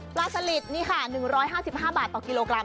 สลิดนี่ค่ะ๑๕๕บาทต่อกิโลกรัม